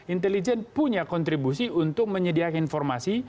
intelijen punya kontribusi untuk menyediakan informasi